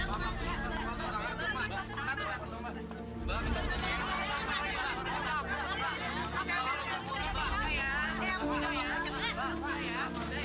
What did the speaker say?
produser dari pusat sari suara